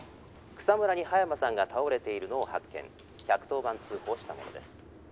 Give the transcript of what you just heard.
「草むらに葉山さんが倒れているのを発見１１０番通報したものです。